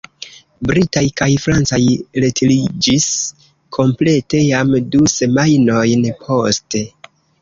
Britaj kaj francaj retiriĝis komplete jam du semajnojn poste.